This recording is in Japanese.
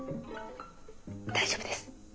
大丈夫です。